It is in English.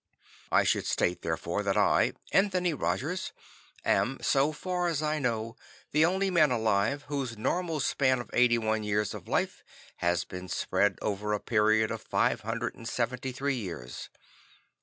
I should state therefore, that I, Anthony Rogers, am, so far as I know, the only man alive whose normal span of eighty one years of life has been spread over a period of 573 years.